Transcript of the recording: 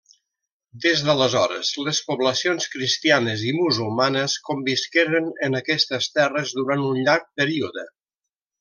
Des d'aleshores, les poblacions cristianes i musulmanes convisqueren en aquestes terres durant un llarg període.